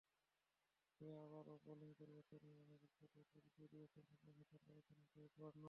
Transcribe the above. তবে আবারও বোলিং পরিবর্তনে অনভিজ্ঞতার পরিচয় দিয়েছেন সানরাইজার্স হায়দরাবাদ অধিনায়ক ডেভিড ওয়ার্নার।